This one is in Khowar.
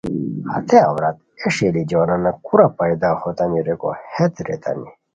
ہتے عورت اے ݰئیلی جوانانان کورا پیدا ہوتامی ریکو ہیت ریتانی